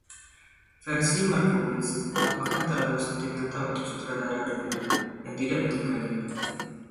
Versi Markowitz tampaknya terlalu sentimental untuk sutradara Donner, yang tidak menyukainya.